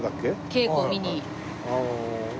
稽古を見に。